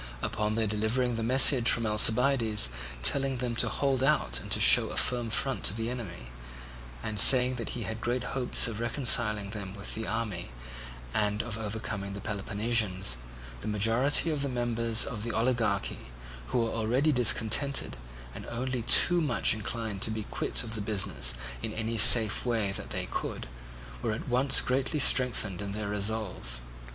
Upon their delivering the message from Alcibiades, telling them to hold out and to show a firm front to the enemy, and saying that he had great hopes of reconciling them with the army and of overcoming the Peloponnesians, the majority of the members of the oligarchy, who were already discontented and only too much inclined to be quit of the business in any safe way that they could, were at once greatly strengthened in their resolve.